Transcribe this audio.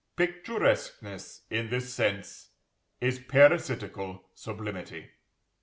Picturesqueness, in this sense, is Parasitical Sublimity.